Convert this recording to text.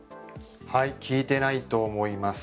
効いてないと思います。